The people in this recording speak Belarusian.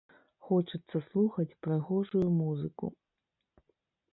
Хочацца слухаць прыгожую музыку.